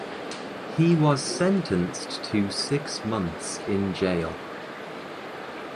He was sentenced to six months in jail.